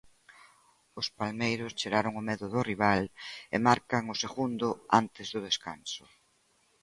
Os palmeiros cheiraron o medo do rival e marcan o segundo antes do descanso.